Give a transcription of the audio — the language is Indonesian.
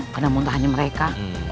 kadang muntah hanya mereka